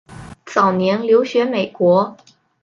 早年留学美国。